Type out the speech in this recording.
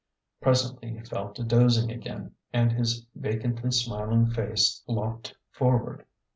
Presently he fell to dozing again, and his va cantly smiling face lopped forward.